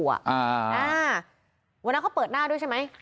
วันนั้นเขาเปิดหน้าด้วยใช่ไหม